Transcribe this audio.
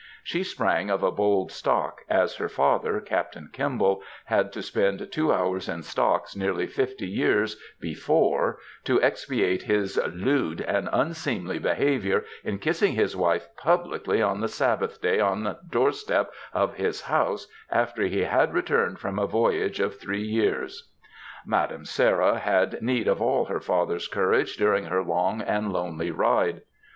She sprang of a bold stock, as her father, Captain Eemble, had to spend two hours in stocks nearly fifty years before to expiate his ^^ lewd and unseemly behaviour in kissing his wife publicly on the Sabbath Day on the door step of his house, after he had returned from a voyage of three years.^ Madam Sarah had need of all her ftfther^s courage during her long and lonely ride.